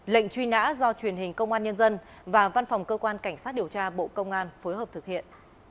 lệnh truy nã do truyền hình công an nhân dân và văn phòng cơ quan cảnh sát điều tra bộ công an phối hợp thực hiện